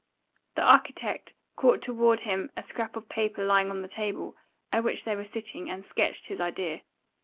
The architect caught toward him a scrap of paper lying on the table at which they were sitting and sketched his idea.